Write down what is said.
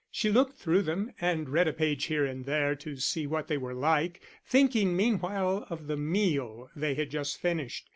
She looked through them, and read a page here and there to see what they were like, thinking meanwhile of the meal they had just finished.